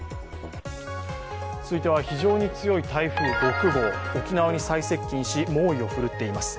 続いては非常に強い台風６号沖縄に最接近し猛威を振るっています。